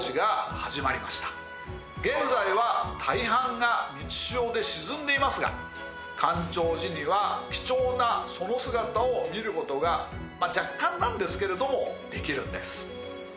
現在は大半が満ち潮で沈んでいますが干潮時には貴重なその姿を見ることが若干なんですけれどもできるんです。